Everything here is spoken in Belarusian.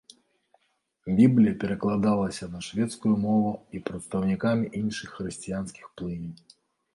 Біблія перакладалася на шведскую мову і прадстаўнікамі іншых хрысціянскіх плыняў.